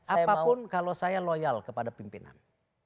apapun kalau saya loyal kepada pimpinan